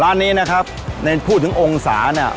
ร้านนี้นะครับในพูดถึงองศาเนี่ย